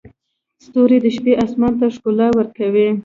ستوري د شپې اسمان ته ښکلا ورکوي.